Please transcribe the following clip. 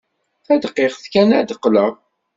Tadqiqt kan ad d-qqleɣ.